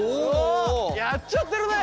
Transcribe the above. やっちゃってるね。